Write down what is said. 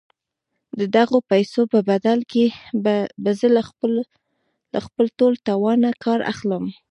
د دغو پيسو په بدل کې به زه له خپل ټول توانه کار اخلم.